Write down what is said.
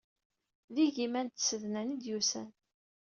D igiman n tsednan ay d-yusan.